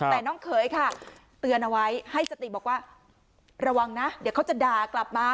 แต่น้องเขยค่ะเตือนเอาไว้ให้สติบอกว่าระวังนะเดี๋ยวเขาจะด่ากลับมา